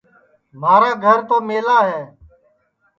مھارا تو گھر میلا ہے